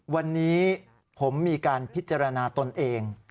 วันนี้ผมมีการพิจารณาตนเอง